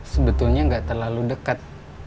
sebetulnya gak terlalu deket